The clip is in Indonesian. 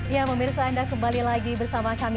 ya pemirsa anda kembali lagi bersama kami